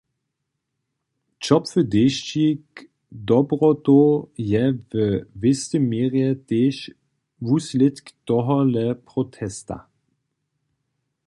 Ćopły dešćik dobrotow je we wěstej měrje tež wuslědk tohole protesta.